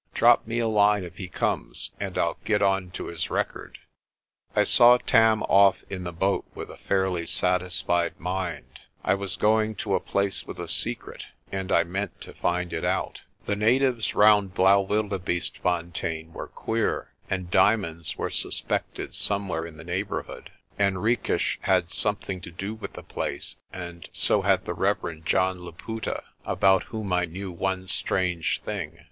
Drop me a line if he comes, and I'll get on to his record." I saw Tam off in the boat with a fairly satisfied mind. I was going to a place with a secret, and I meant to find it out. FURTH! FORTUNE! 41 The natives round Blaauwildebeestefontein were queer, and diamonds were suspected somewhere in the neighbourhood. Henriques had something to do with the place, and so had the Rev. John Laputa, about whom I knew one strange thing.